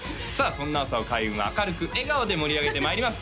そんな朝を開運が明るく笑顔で盛り上げてまいります